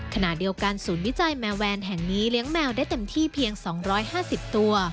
ขณะเดียวกันศูนย์วิจัยแมวแวนแห่งนี้เลี้ยงแมวได้เต็มที่เพียง๒๕๐ตัว